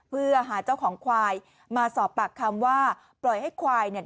เพื่อหาเจ้าของควายมาสอบปากคำว่าปล่อยให้ควายเนี่ย